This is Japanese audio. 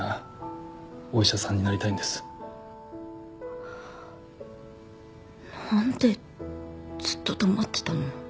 なんでずっと黙ってたの？